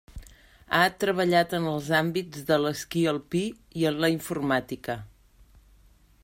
Ha treballat en els àmbits de l'esquí alpí i en la informàtica.